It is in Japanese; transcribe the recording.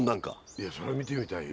いやそりゃ見てみたいよ。